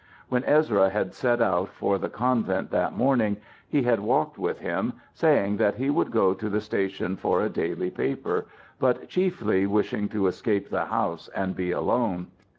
When Ezra had set out for the convent that morning he had walked with him, saying that he would go to the station for a daily paper, but chiefly wishing to escape the house and be alone.